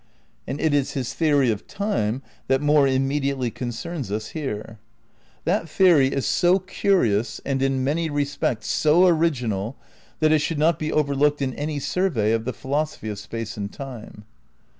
And it is his theory of Time that more immediately concerns us here. That theory is so curious and in many respects so original that it should not be overlooked in any survey of the philosophy of Space and Time.